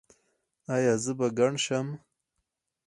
ایا زه به کڼ شم؟